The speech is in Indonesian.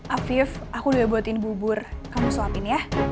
afiq aku udah buatin bubur kamu sopin ya